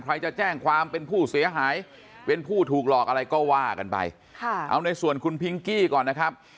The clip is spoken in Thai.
ใครจะแจ้งความเป็นผู้เสียหายเป็นผู้ถูกหลอกอะไรก็ว่ากันไปค่ะเอาในส่วนคุณพิงกี้ก่อนนะครับ